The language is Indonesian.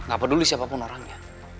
gapaduli siapapun orangnya